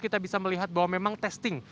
kita bisa melihat bahwa memang testing